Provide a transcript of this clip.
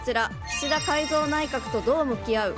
岸田改造内閣とどう向き合う？